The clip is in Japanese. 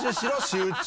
集中。